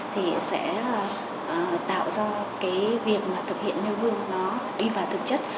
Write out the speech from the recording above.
thì sẽ tạo ra cái việc mà thực hiện nêu gương nó đi vào thực chất